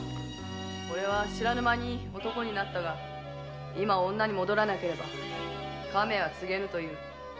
俺は知らぬ間に男になったが今女に戻らなければ家名は継げぬという。